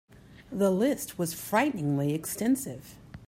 The list was frighteningly extensive.